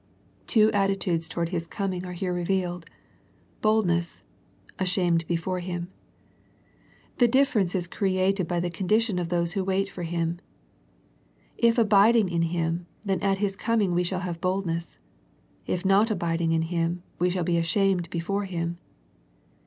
Two attitudes towards His coming are here revealed, " bold ness," " ashamed before Him." The difference is created by the condition of those who wait for Him. If abiding in Him, then at His coming we shall have boldness. If not abid ing in Him, we shall be ashamed before Him.